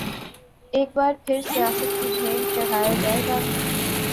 ایک بار پھر سیاست کی بھینٹ چڑھایا جائے گا؟